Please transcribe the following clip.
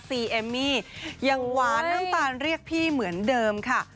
เอมมี่ยังหวานน้ำตาลเรียกพี่เหมือนเดิมค่ะ